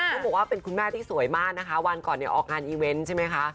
ต้องบอกว่าเป็นคุณแม่ที่สวยมากนะคะวันก่อนเนี่ยออกงานอีเวนต์ใช่ไหมคะ